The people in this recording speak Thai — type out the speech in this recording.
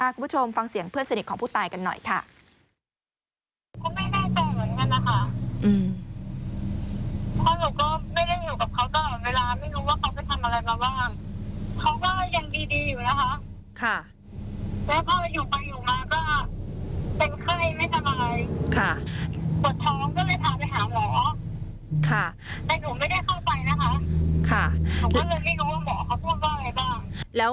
คุณผู้ชมฟังเสียงเพื่อนสนิทของผู้ตายกันหน่อยค่ะ